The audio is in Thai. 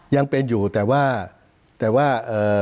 ยังเป็นอยู่แต่ว่า